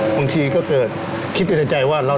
บางทีก็เกิดคิดไปในใจว่า